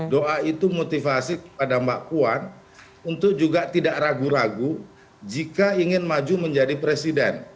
doa itu motivasi kepada mbak puan untuk juga tidak ragu ragu jika ingin maju menjadi presiden